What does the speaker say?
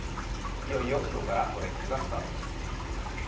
いよいよ今日から５連休がスタートです。